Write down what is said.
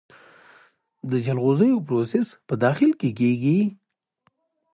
د جلغوزیو پروسس په داخل کې کیږي؟